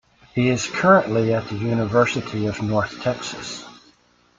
He is currently at the University of North Texas.